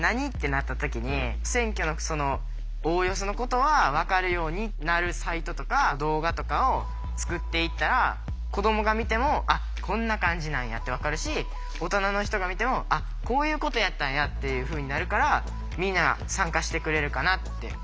なった時に選挙のおおよそのことはわかるようになるサイトとか動画とかを作っていったら子どもが見ても「あっこんな感じなんや」ってわかるし大人の人が見ても「あっこういうことやったんや」っていうふうになるからみんな参加してくれるかなって。